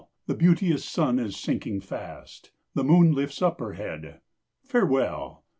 the beauteous sun is sinking fast, The moon lifts up her head; Farewell!